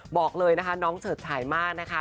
บอกเลยนะคะน้องเฉิดฉายมากนะคะ